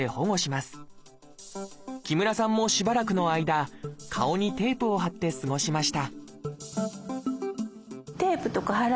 木村さんもしばらくの間顔にテープを貼って過ごしました